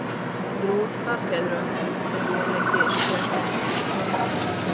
Grūti paskaidrot, ka doma ir tieši pretēja.